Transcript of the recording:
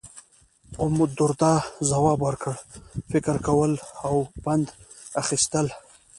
امالدرداء ځواب ورکړ، فکر کول او پند اخیستل.